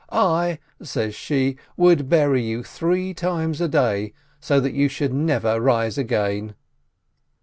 I," says she, "would bury you three times a day, so that you should never rise again!"